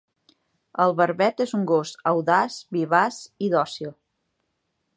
El Barbet és un gos audaç, vivaç i dòcil.